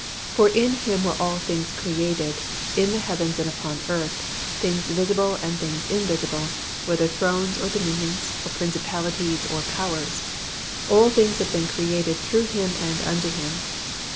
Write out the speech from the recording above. "For in Him were all things created, in the heavens and upon the earth, things visible and things invisible, whether thrones or dominions or principalities or powers; all things have been created through Him and unto Him."